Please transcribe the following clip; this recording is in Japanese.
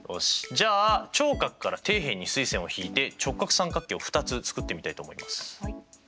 じゃあ頂角から底辺に垂線を引いて直角三角形を２つ作ってみたいと思います。